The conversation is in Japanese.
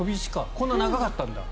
こんなに長かったのか。